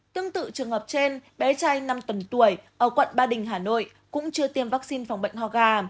tương tự trường hợp trên bé trai năm tuần tuổi ở quận ba đình hà nội cũng chưa tiêm vaccine phòng bệnh ho gà